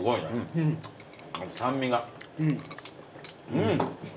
うん！